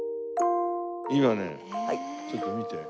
今ねちょっと見て。